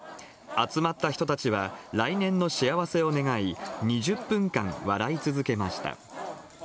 集まった人たちは、来年の幸せを願い、２０分間、笑い続けました。